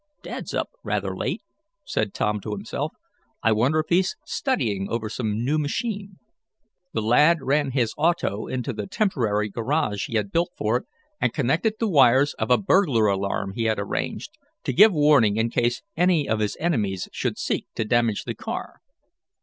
"Dad's up rather late," said Tom to himself. "I wonder if he's studying over some new machine." The lad ran his auto into the temporary garage he had built for it, and connected the wires of a burglar alarm he had arranged, to give warning in case any of his enemies should seek to damage the car.